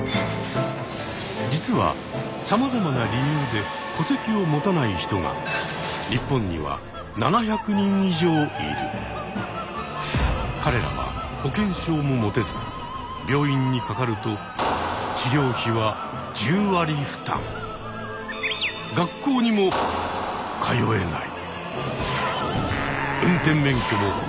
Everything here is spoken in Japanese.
実はさまざまな理由で戸籍を持たない人が日本には彼らは保険証も持てず病院にかかるとも持てない。